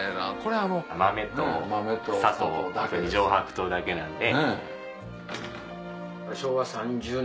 豆と砂糖上白糖だけなんで。